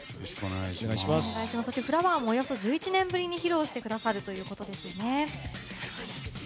そして「フラワー」もおよそ１１年ぶりに披露してくださるということですね。